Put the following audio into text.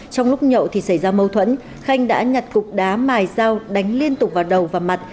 trong lúc nhậu thì xảy ra mâu thuẫn khanh đã nhặt cục đá mài dao đánh liên tục vào đầu và mặt